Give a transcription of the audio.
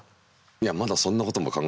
いやまだそんなことも考えてない。